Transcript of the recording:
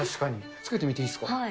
つけてみていいですか？